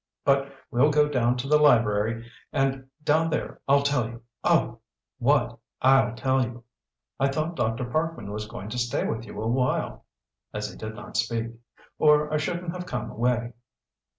But we'll go down to the library, and down there I'll tell you oh, what I'll tell you! I thought Dr. Parkman was going to stay with you a while," as he did not speak "or I shouldn't have come away."